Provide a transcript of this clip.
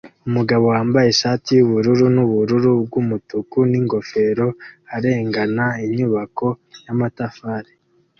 Umugabo wambaye ishati yubururu nubururu bwumutuku ningofero arengana inyubako yamatafari